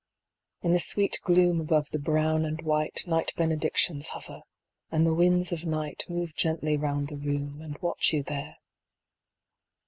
In the sweet gloom above the brown and white Night benedictions hover; and the winds of night Move gently round the room, and watch you there.